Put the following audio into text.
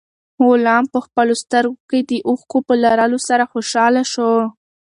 غلام په خپلو سترګو کې د اوښکو په لرلو سره خوشاله و.